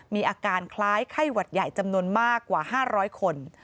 มีอาการคล้ายไข้หวัดใหญ่จำนวนมากกว่า๕๐๐คน